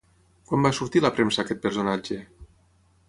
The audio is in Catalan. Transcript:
Quan va sortir a la premsa aquest personatge?